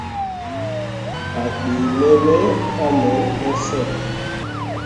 A ɗii me ne haman massh.